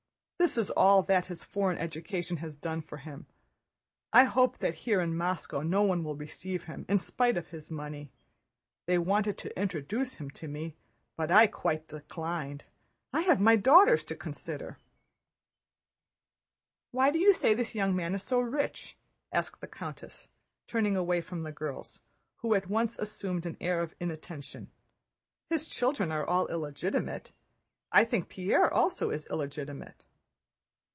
This is all that his foreign education has done for him! I hope that here in Moscow no one will receive him, in spite of his money. They wanted to introduce him to me, but I quite declined: I have my daughters to consider." "Why do you say this young man is so rich?" asked the countess, turning away from the girls, who at once assumed an air of inattention. "His children are all illegitimate. I think Pierre also is illegitimate."